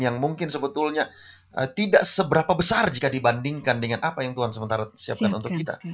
yang mungkin sebetulnya tidak seberapa besar jika dibandingkan dengan apa yang tuhan sementara siapkan untuk kita